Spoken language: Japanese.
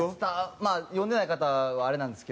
まあ読んでない方はあれなんですけど。